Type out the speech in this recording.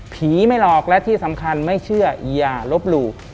ไม่หลอกและที่สำคัญไม่เชื่ออย่าลบหลู่